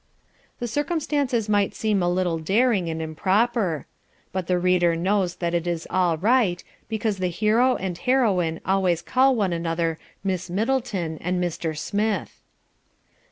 The circumstances might seem a little daring and improper. But the reader knows that it is all right, because the hero and heroine always call one another Miss Middleton and Mr. Smith.